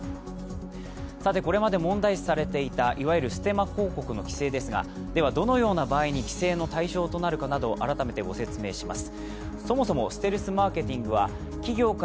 これまで問題視されていた、いわゆるステマ広告の規制ですが、どのような場合に規制の対象となるかなど改めてご説明します。